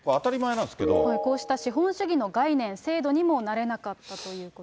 こうした資本主義の概念、制度にも慣れなかったということです。